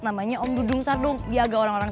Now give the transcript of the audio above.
namanya om dudung sardung dia agak orang orang